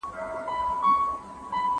¬ سړى پښې د خپلي کمبلي سره غځوي.